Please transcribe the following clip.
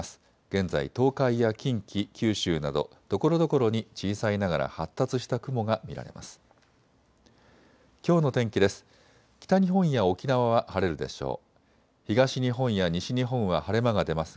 現在、東海や近畿九州などところどころに小さいながら発達した雲が見られます。